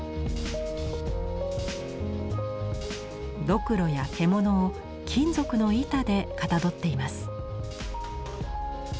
どくろや獣を金属の板でかたどっています。